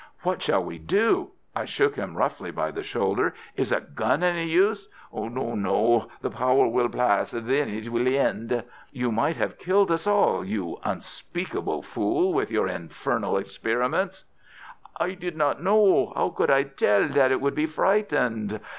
"What shall we do?" I shook him roughly by the shoulder. "Is a gun any use?" "No, no. The power will pass. Then it will end." "You might have killed us all—you unspeakable fool—with your infernal experiments." "I did not know. How could I tell that it would be frightened?